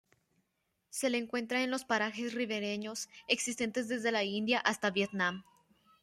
Se le encuentra en los parajes ribereños existentes desde la India hasta Vietnam.